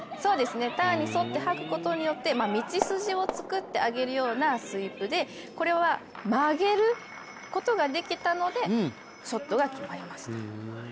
ターンに沿って掃くことで道筋を作ってあげるような感じでこれは曲げることができたのでショットが決まりました。